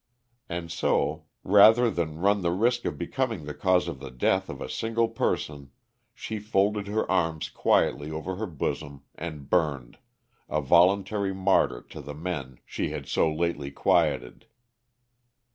And so, rather than run the risk of becoming the cause of the death of a single person, she folded her arms quietly over her bosom and burned, a voluntary martyr to the men she had so lately quieted.